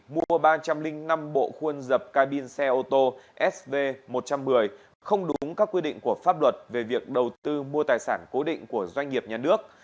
mua ba trăm linh năm bộ khuôn dập ca bin xe ô tô sv một trăm một mươi không đúng các quy định của pháp luật về việc đầu tư mua tài sản cố định của doanh nghiệp nhà nước